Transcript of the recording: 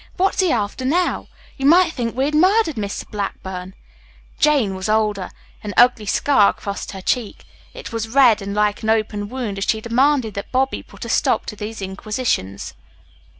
What's he after now? You might think we'd murdered Mr. Blackburn." Jane was older. An ugly scar crossed her cheek. It was red and like an open wound as she demanded that Bobby put a stop to these inquisitions.